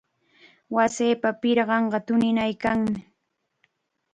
Wasipa pirqanqa tuniykannam.